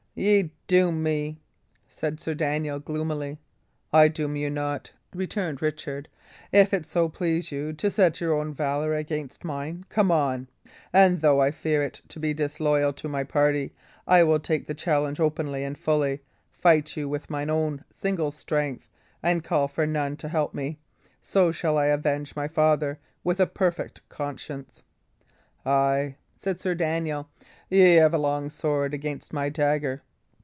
"Ye doom me," said Sir Daniel, gloomily. "I doom you not," returned Richard. "If it so please you to set your valour against mine, come on; and though I fear it be disloyal to my party, I will take the challenge openly and fully, fight you with mine own single strength, and call for none to help me. So shall I avenge my father, with a perfect conscience." "Ay," said Sir Daniel, "y' have a long sword against my dagger."